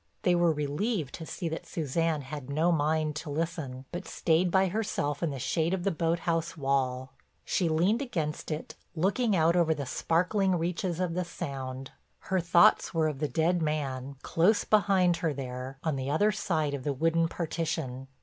They were relieved to see that Suzanne had no mind to listen, but stayed by herself in the shade of the boathouse wall. She leaned against it, looking out over the sparkling reaches of the Sound. Her thoughts were of the dead man, close behind her there, on the other side of the wooden partition.